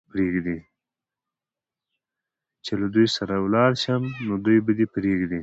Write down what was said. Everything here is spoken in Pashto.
چې له دوی سره ولاړ شم، نو دوی به دې پرېږدي؟